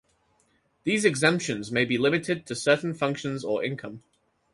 These exemptions may be limited to certain functions or income.